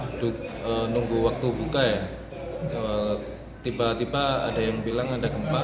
duduk nunggu waktu buka ya tiba tiba ada yang bilang ada gempa